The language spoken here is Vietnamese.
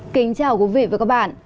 kính chào quý vị và các bạn